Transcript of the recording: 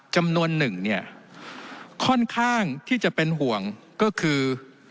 จำนวนหนึ่งเนี่ยค่อนข้างที่จะเป็นห่วงก็คือ